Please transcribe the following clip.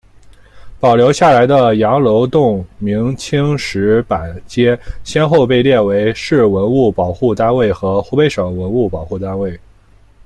保留下来的羊楼洞明清石板街先后被列为市文物保护单位和湖北省文物保护单位。